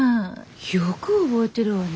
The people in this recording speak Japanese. よく覚えてるわね